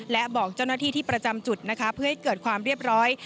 และบอกเจ้าหน้าที่ที่ประจำจุดนะคะเพื่อให้เกิดความเรียบร้อย